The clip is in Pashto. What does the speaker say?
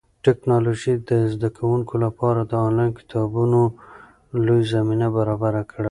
ټیکنالوژي د زده کوونکو لپاره د انلاین کتابتونونو لویه زمینه برابره کړه.